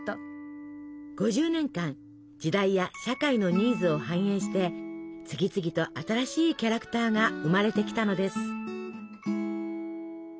５０年間時代や社会のニーズを反映して次々と新しいキャラクターが生まれてきたのです。